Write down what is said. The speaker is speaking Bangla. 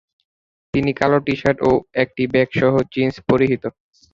তিনি কালো টি-শার্ট ও একটি ব্যাগ সহ জিন্স পরিহিত।